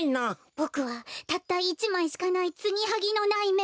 ボクはたった１まいしかないツギハギのないめんこ。